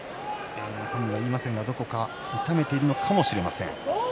本人言いませんがどこか痛めているのかもしれません。